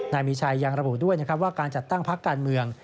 นายมีชัยยังระบุด้วยนะครับว่าการจัดตั้งพักการเมือง